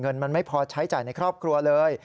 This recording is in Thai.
เงินมันไม่พอใช้จ่ายในครอบครัวเลย